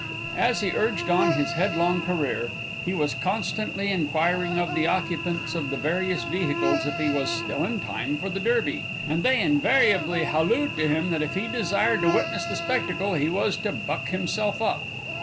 As he urged on his headlong career, he was constantly inquiring of the occupants of the various vehicles if he was still in time for the Derby, and they invariably hallooed to him that if he desired to witness the spectacle he was to buck himself up.